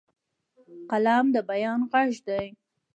قلم د بیان غږ دی